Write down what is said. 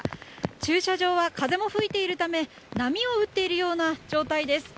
駐車場は風も吹いているため波を打っているような状態です。